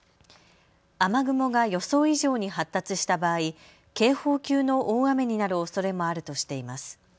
雨雲が予想以上に発達した場合、警報級の大雨になるおそれもあるとしています。